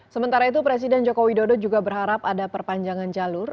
sementara itu presiden joko widodo juga berharap ada perpanjangan jalur